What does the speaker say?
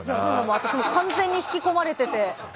私も完全に引き込まれていて。